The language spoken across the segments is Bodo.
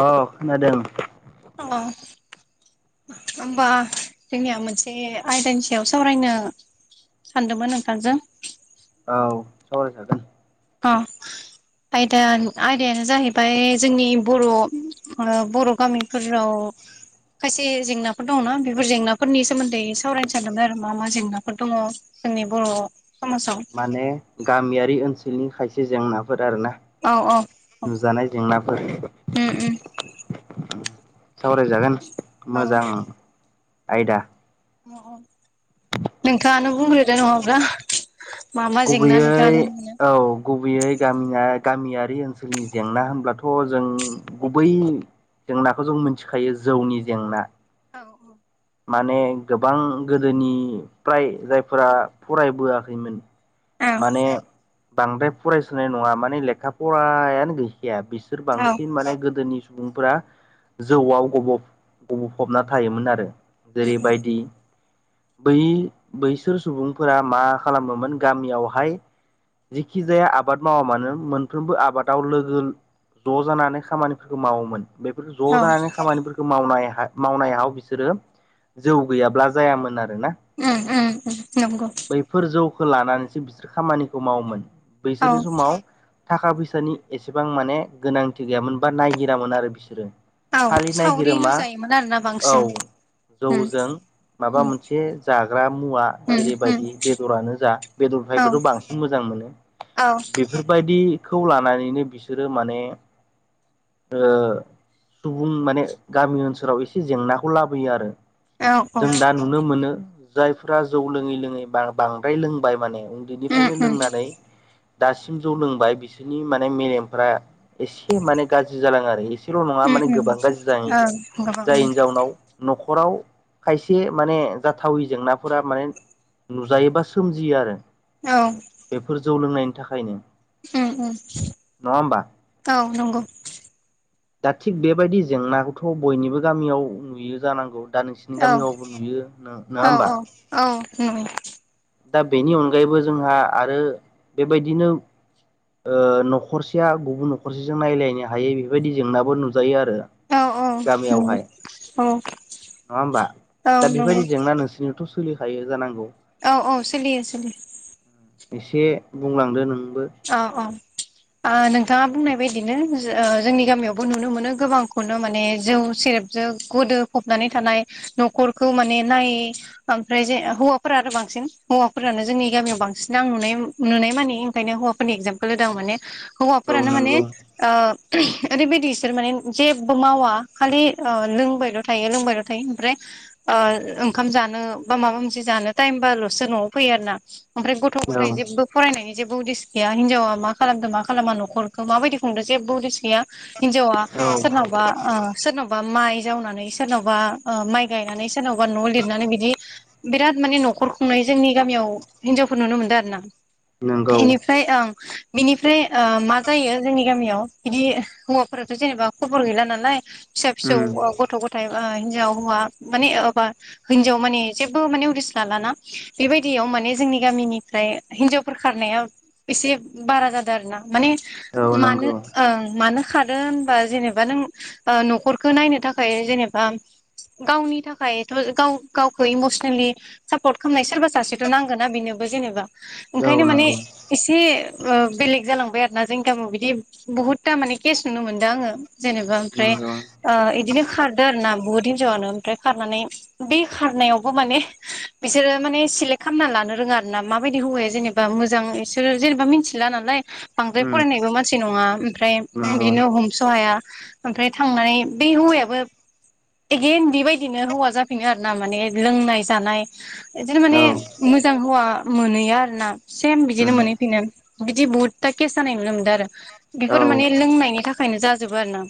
अ खोनादों। अ। होमबा जोंनिया मोनसे आयदानि सायाव सावरायनो सानदोंमोन नोंथांजों। औ सावराय जागोन। अ। आयदा आयदायानो जाहैबाय जोंनि बर' बर' गामिफोराव। खायसे जेंनाफोर दङना बेफोर जेंनाफोरनि सोमोन्दै सावरायनो सानदोंमोन आरो मा मा जेंनाफोर दङ जोंनि बर' समाजाव माने गामियारि ओनसोलनि खायसे जेंनाफोर आरोना। औ औ नुजानाय जेंनाफोर। उम उम सावरायजागोन औ मोजां आयदा। नोंथाङानो बुंग्रोदो नङाब्ला मा मा जेंना गुबैयै नोंथाङानो नुयो औ गुबैयै गामिया। गामियारि ओनसोलनि जेंना होनब्लाथ' जों गुबै जेंनाखौ जों मिथिखायो जौनि जेंना। औ औ। माने गोबां गोदोनिफ्राय जायफोरा फराय बोआखैमोन। औ माने बांद्राय फरायसुनाय नङा माने लेखा फरायानो गैखाया। बिसोर औ बांसिन माने गोदोनि। सुबुंफोरा जौआव‌ गब' फबना थायोमोन आरो। जेरैबायदि बै बैसोर सुबुंफोरा मा खालामोमोन गामियावहाय जेखि जाया आबाद मावा मानो मोनफ्रोमबो आबादाव लोगो ज' जानानै खामानिफोरखौ मावोमोन बेफोरफोरखौ औ ज' जानानै खामानिफोरखौ मावनायहय मावनाय हाव बिसोरो जौ गैयाब्ला जायामोन आरोना उम उम उम नंगौ बैफोर जौ। खो लानानैसो बिसोर खामानिखौ मावोमोन औ बैसोरनि समाव थाखा फैसानि एसेबां माने गोनांथि गैयामोन बा नायगिरामोन आरो बिसोरो औ खालि नायगिरो सावरिल' मा जायोमोन आरोना औ बांसिन उम जौजों माबा उम मोनसे जाग्रा मुवा उम उम जेरैबायदि बेदरानो जा औ बेदरथायोबोथ' बांसिन मोजां मोनो [inaudible] बेफोरबायदिखौ लानानैनो बिसोरो माने ओ सुबुं माने गामि ओनसोलाव एसे जेंनाखौ लाबोयो आरो औ जों दा नुनो मोनो जायफ्रा जौ लोंङै - लोंङै बा-बांद्राय लोंबाय माने उम उन्दैनिफ्रायनो उम लोंनानै दासिम जौ लोंबाय बिसोरनि माने मेलेमफ्रा एसे माने गाज्रि जालांङो आरो ल' नंङा उम माने उम गोबां गाज्रि जायो ओं गोबां उम जायनि जावउनाव न'खर न'खराव खायसे माने जाथावै जेंनाफोरा माने नुजायोबा सोमजियो आरो औ बेफोर जौ लोंनायनि थाखायनो उम - उम नङा होमबा औ नंगौ दा थिग बेबायदि जेंनाखौथ' बयनिबो गामियाव नुयो जानांगौ दा नोंसिनि औ गामियावबो नुयो नंङा औ होमबा औ औ नंगौ दा बेनि अनगायैबो जोंहा आरो बेबायदिनो ओ न'खरसेया गुबुन न'खरसेजों नायलायनो हायै बेफोरबायदि जेंनाबो नुजायो आरो ओ औ औ गामियावहाय नंगौ औ नंङा होमबा? औ दा बेबायदि नंगौ जेंना नोंसिनियावथ' सोलिखायो जानांगौ औ - औ सोलियो सोलियो एसे बुंलांदो नों अ -अ ओ नों नोंथांङा बुंनाय बायदिनो जो-जोंनि गामियावबो नुनो मोनो गोबांखौनो माने जौ सेरेबजों गुद दो फबनानै थानाय न'खरखौ माने नायै ओमफ्राय जे हौवाफोरा आरो बांसिन हौ फोरानो जोंनि गामियाव बांसिन आं नुनाय नुनाय मानि ओंखायनो हौवाफोरनि एगजामपोल होदों माने औ हौवाफोरानो माने नंगौ ओ ओरैबायदि इसोर माने जेबबो मावा खालि अ लोंबायल' थायो लोंबायल' थायो ओमफ्राय ओ ओंखाम जानो बा माबा मोनसे जानो टाइमबाल'स न'आव फैयो आरो ना ओमफ्राय गथ'- औ गथाय जेबबो फरायनायनि जेबो उदिस गैया हिनजावा मा खालामदों मा खालामा न'खरखौ माबायदि खुंदों जेबबो उदिस गैया हिनजावा औ सोरनावबा आ सोरनावबा माइ जाव नानै सोरनावबा ओ माइ गायनानै सोरनावबा न' लिरनानै बिदि बिराद माने न'खर खुंनाय जोंनि गामियाव हिनजावफोर नुनो मोनदों आरो ना नंगौ इनिफ्राय आं बिनिफ्राय ओ मा जायो जोंनि गामियाव बिदि हौवाफोराथ' जेनेबा खबर गैला नालाय फिसा- फिसौ उम अ गथ' - गथाय एबा हि जाव हौवा माने एबा होनजाव माने जेबो माने उदिस लालाना बेबायदियाव माने जोंनि गामिनिफ्राय हिनजावफोर खारनाया एसे बारा जादो आरोना माने औ मानो नंगौ ओं मानो खारो होनबा जेनेबा नों ओ न'खरखौ नायनो थाखाय जेनेबा गावनि थाखायथ' गाव गावखौ इमसनेलि सापर्ट खालामनाय सोरबा सासेथ' नांगोना बिनो बे जेनबा औ ओंखायनो माने नंगौ एसे बेलेग जालांबाय आरो ना जोंनकामाव बिदि बहुतथा माने केस नुनो मोनदों आङो जेनेबा ओमफ्राय नंगौ बिदिनो खारदो आरो ना बहुत हिनजावङानो ओमफ्राय खारनानै बे खारनायावबो माने बिसोरो माने सेलेक्ट खालामनानै लानो रोङा आर ना माबायदि हौवाया जेनेबा मोजां बिसोरो जेनेबा मिथिला नालाय बांद्राय उम फरायनायबो मानसि नङा ओमफ्राय नंगौ बिदिनो हमस' हाया ओमफ्राय थांनानै बे हौवायाबो एदि बेबायदिनो हौवा जाफिनो आरो ना माने लोंनाय - जानाय बिदिनो औ माने मोजां हौवा मोनहैयो आरो ना सेम बिदिनो उम मोनहैफैनो बिदि बहुदथा केस जानाय नुनो मोनदों आरो बेफोर औ माने लोंनायनि थाखायनो जाजोबो आरो ना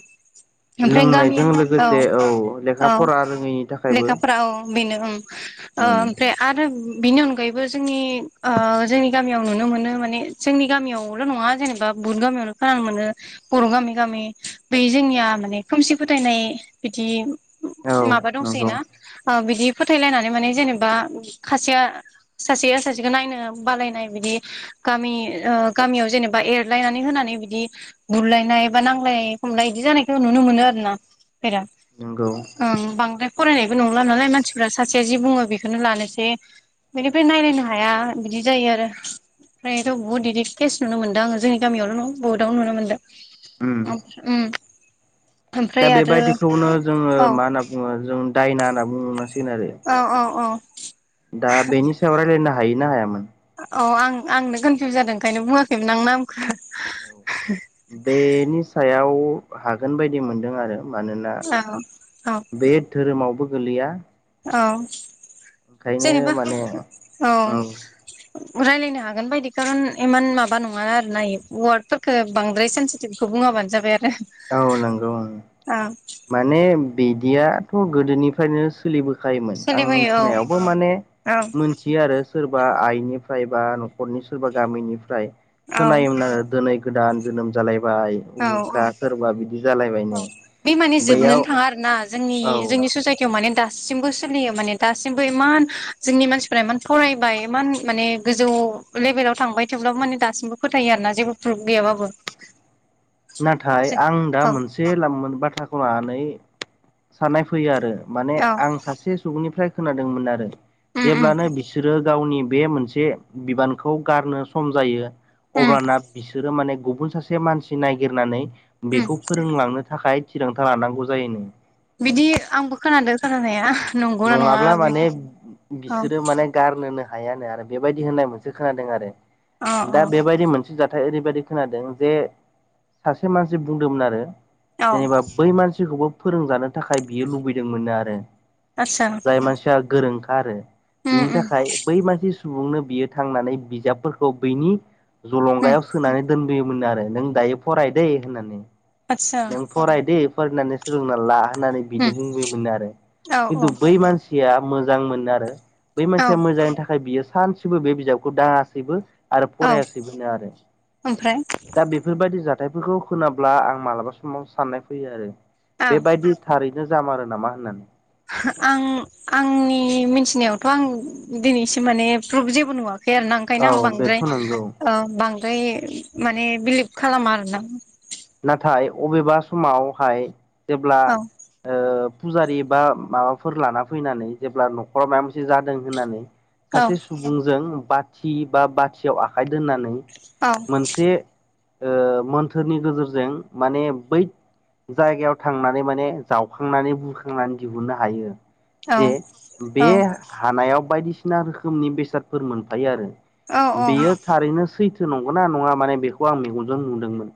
ओमफ्राय गामि लोंनायजों औ लोगोसे लेखा औ फरा रोङैनि थाखायबो लेखाफोरा औ बेनो उम ओमफ्राय आरो बिनि अनगायैबो जोंनि जोंनि गामियाव नुनो मोनो माने जोंनि गामियावल' नङा जेनेबा बुहुत गामियावनो खोनानो मोनो बर' गामि गामि बै जोंनिया माने खोमसि फोथायनाय बिदि औ माबा दंसै नंगौ ना बिदि फोथायलायनानै माने जेनेबा खासेया सासे सासेखौ नायनो बालायनाय बिदि गामियाव जेनेबा एरलायनानै होनानै बिदि बुरलायनाय बा नांलायनाय नाय हमल बिदि जानायखौ नुनो मोनो आरो ना नंगौ [unintelligible] बांद्राय फरायनायबो नंला नालाय मानसिफ्रा सासे जि बुङो बेखौनो लानोसै बिनिफ्राय नायलायनो हाया बिदि जायो आरो ओमफ्रायथ' बहुत बिदि केस नुनो मोनदों आङो जोंनि गामियावल' नंगा बहुदावनो नुनो मोनदों उम उम दा बेबायदिखौनो जोङो औ मा होनना बुङो जों दायना होनना बुङो। ओ ओ औ दा बेनि सायाव रायलायनो हाय ना हायामोन? औ आं आंनो कनफिउस जादों ओंखायनो बुङाखैमोन आं नामखौ बेनि सायाव हागोन बायदि मोनदों आरो मानोना औ औ बे धोरोमावबो गोलैया औ ओंखायनो जेनेबा माने औ ओं रायलायनो हागोन बायदि कारन इमान माबा नङा आरो ना वार्डफोरखौ बांद्राय सेन्सिटिभखौ बुङाबानो जाबाय आरो औ नंगौं औ माने बिदियाथ' गोदोनिफ्रायनो सोलिबोखायोमोन आं सोलिबोयो मिथिनायावबो माने औ मोनथियो आरो सोरबा आइ फ्राय बा न'खरनि सोरबा गामिनिफ्राय औ खोनायोमोन आरो दिनै गोदान जोनोम जालाय बाय [unintelligible] अ बे माने बैयाव जोबनोनो थाङा आरोना जोंनि औ जोंनि ससाइटियाव माने दासिम दासिमबो सोलियो माने दासिमबो इमान जोंनि मानसिफ्रा इमान फरायबाय इमान माने गोजौ लभेलाव थांबाय थोबब्लाबो माने दासिमबो फोथायो आरोना जेबो प्रुफ गैयाबाबो नाथाय आं दा मोनसे लाम बाथ्राखौ लानानै साननाय फैयो आरो माने औ औ आं सासे सुबुंनिफ्राय खोनादोंमोन आरो उम उम जेब्लानो बिसोरो गावनि बे मोनसे बिबानखौ गारनो सम जायो उम अब्लाना बिसोरो माने गुबुन सासे मानसि ननायागिरनानै उम बेखौ फोरोंलांनो थाखाय थिरांथा लानांगौ जायोननो बिदि आंबो खोनादादों खोनानाया नंगौना नङा नङाब्ला बे माने औ बिसोरो माने गारनोनो हायानो आरो बेबायदि होननाय मोनसे खोनादों आरो औ औ दा बेबायदि मोनसे जाथाय नाथाय ओरैबायदि खोनादों जे सासे मानसि बुंदोंमोन आरो औ जेनेबा बै मानसिखौबो फोरोंजानो थाखाय बियो लुबैदोंमोननो आरो आतसा जाय मानसिया गोरोंखा आरो उम बिनि उम थाखाय बै मानसि सुबुंनो बियो थांनानै बिजाबफोरखौ बैनि उम जलंगायाव सोनानै दोनबोयो मोन आरो नों दायो फरायद होननानै आतसा नों फरायद फरायनानै सोलोंनानै ला होननानै बिदि उम बुंबायोमो आरो औ औ खिन्थु बै मानसिया मोजां मोनो आरो बै औ मानसिया मोजांनि थाखाय बियो सानसेबो बे बिजाबखौ दाङासैबो आरो औ फरायासैबोनो आरो ओमफ्राय दा बेफोरबायदि जा हाथायफोरखौ खोनाब्ला आं मालाबा समाव साननाय फैयो आरो औ बेबायदि थारि बिदिनो जामारो नामा होननानै आं आंनि मिथिनायावथ' आं दिनैसिम माने प्रुफ जेबो नुवाखै फेर न औ ओंखायनो आं बांद्राय बेथ' नंगौ ओ बां फ्राय माने बिलिभ खालामा आरोना नाथाय अबेबा समावहाय जेब्ला औ ओ फुजारि बा माबाफोर लाना फैनानै जेब्ला न'खराव माबा मोनसे जादों होननानै औ सासे सुबुंजों बाथि बा बाथियाव आखाइ दोन्नानै औ मोनसे ओ मोनथोरनि गेजेरजों जों माने बै जायगायाव थांनानै माने जावखांनानै बुखांनानै दिहुननो हायो औ जे बे औ हानायाव बायदिसिना रोखोमनि बेसादफोर मोनफायो आरो औ औ बेयो थारैनो सैथो नंगौ ना नङा माने बेखौ आं मेगनजों नुदोंमोन?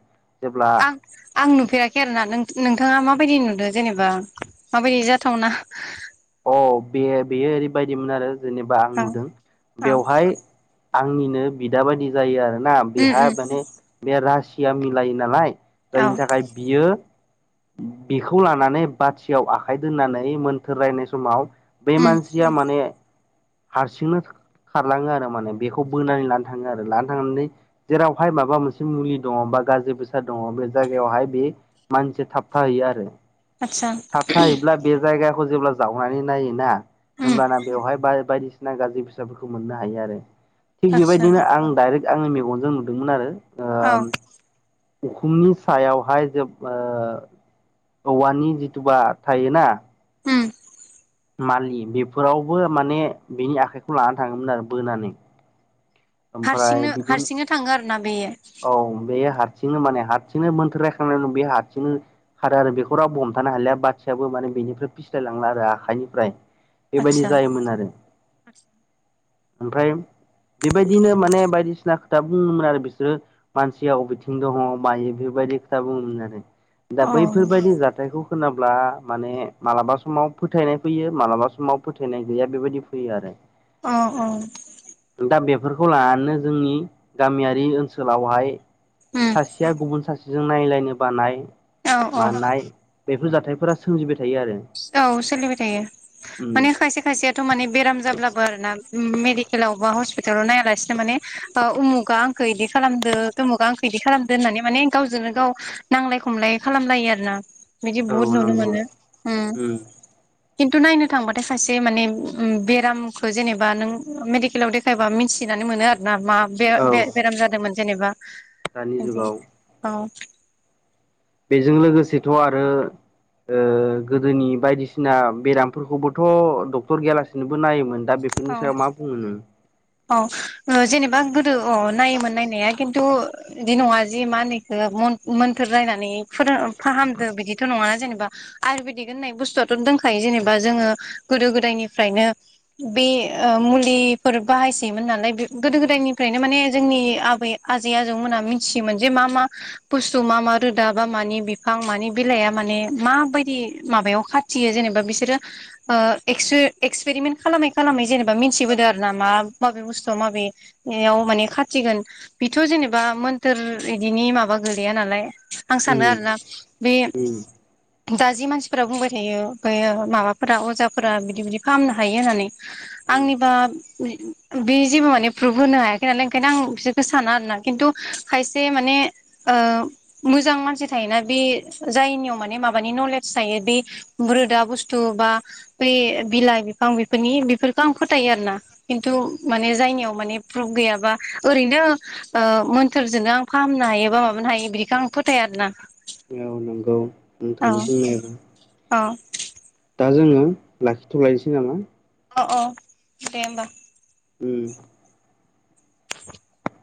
जेब्ला आं आं नुफेराखै आरोना नोंथाङा मा माबायदि नुदों जेनेबा माबायदि जाथावना? अ बे बेयो ओरैबायदिमोन आरो जेनेबा आं औ नुदों औ बेवहाय आंनिनो बिदा बायदि जायो आरोना उम बेहा उम माने बे रासिया मिलायो नालाय औ जायनि थाखाय बियो बेखौ लानानै बाथियाव आखाइ दोननानै मोन्थोर रायनाय समाव बे उम मानसिया माने हारसिंनो खारलाङो आरो माने बेखौ बोनानै लानो थाङो आरो लानो थांनानै जेरावहाय माबा मोनसे मुलि दङ' बा गाज्रि बेसाद दङ' बे जायगायावहाय बे मानसिया थाबथाहैयो आरो। आतसा थाबथायाहैब्ला बे जायगाखौ जेब्ला जावनानै नायोना उम होमब्लाना बेवहाय बा बायदिसिना गाज्रि बेसादफोरखौ मोननो हायो आरो । थिग आतसा बेबायदिनो आं डाइरेक्ट आंनि मेगनजों नुदोंमोन आरो ओ औ उखुमनि सायावहाय जोब औवानि दुबा थायोना ओम । मालि बेफोरावबो माने बिनि आखाइखौ लानानै थाङोमोन आरो बोनानै ओमफ्राय हारसिनो बिदिनो हारसिंनो थाङो आरोना बेयो? औ बे हारसिंनो माने हारसिंनो मोन्थोर रायखांनानै बे हारसिंनो खारो आरो बेखौ राव हमथानो हालिया बाथियाबो माने बेनिफ्राय फिस्लाय लांला आरो आखाइनिफ्राय । बेबायदि आतसा जायोमोन आरो ओमफ्राय बेबायदिनो माने बायदिसिना खोथा बुङोमोन आरो बिसोरो मानसियाव अबेथिं दङ' मायो बेबायदि खोथा बुङोमोन आरो । दा औ बैफोरदि जाथायखौ खोनाब्ला माने मालाबा समाव फोथायनाय फैयो मालाबा समाव फोथायनाय गैया बेबायदि फैयो आरो । अ औ ‌ बेफोरखौ लानानै जोंनि गामियारि ओनसोलावहाय उम सासेया गुबुन सासे जों नायलायनो बानाय औ औ मानाय बेफोर जाथायफोरा सोमजिबाय था औ सोलिबाय थायो उम माने खायसे खायसेयाथ' माने बेराम जाब्लाबो आरोना मेडे लावबा हस्पिटालाव नायालासिनो माने ओ उमुगा आंखौ इदि खालामदो थुमुगा आंखौ इदि खालामदो होननानै माने गावजोंनो गाव नांलाय खमलाय खालामलायो आरो ना बिदि औ बुहुत नुनो नंगौ मोनो । उम । खिन्थु नायनो थांबाथाय खायसे माने बेरामखौ जेनेबा नों मेडिकेलाव देखायबा मिथिनानै मोनो ना मा औ बे-बेराम जादोंमोन जेनेबा दानि आदि जुगाव औ । बेजों लोगोसेथ'आरो ओ गोदोनि बायदिसिना बेरामफोरखौबोथ' डक्टर गेयालासिनोबो नायोमोन । दा औ बेफोरनि सायाव मा बुंनो नों? औ ओ जेनेबा गोदो औ नायोमोन नायनाया खिन्थु बिदि नङा जे मा होनो इखो मन मोन्थोर रायनानै फोर फाहामदो बिदिथ' नङा जेनबा आयुरवेदिक होननाय बुस्थुआथ' दों खायो जेनेबा जोङो गोदो गोदायनिफ्रायनो बे ओ मुलिफोर बाहायसैयोमोन नालाय बे गोदो गोदायनिफ्रायनो माने जोंनि आबै आजै आजौमोनहा मिथियोमोन जे मा मा बुस्थु मा मा रोदा बा मानि बिफां मानि बिलाइआ माने माबायदि माबायाव खा मिथियो जेनेबा बिसोरो ओ एक्सपे एक्सपेरिमेन्ट खालामै खालामै जेनेबा मिथिबोदों आरो ना मा माबे बुस्थु माबेयाव माने खाथिगोन बेथ' जेनेबा मोन्थोर इदिनि माबा माबा गोैया नालाय आं सानो आरोना बे उम दा जि मानसिफोरा बुंबाय थायो बेयो माबाफोरा अजाफोरा बिदि बिदि फाहामनो हायो होननानै उम आंनिबा बे जेबो माने प्रुफ होनो हायाखै नालाय ओंखायनो आं बिसोरखौ साना आरोना खिन्थु खायसे माने मोजां मानसि थायोना बे जायनियाव माने माबानि नलेज थायो बे रोदा बुस्थु बा ब बिलाइ बिफांफोरनि बेफोरखौ आं फोथायो आरोना थ माने जायनियाव माने प्रुफ गैयाबा ओरैनो मोन्थोरजोंनो आं फाहामनो हायो एबा माबानो हायो बिखौ आं फोथाय आरोना नांगौ आं थाङानो बुंनायबा औ दा जोङो लाखिथ'लायनोसै नामा अ अ दे होमबा उ [inaudible]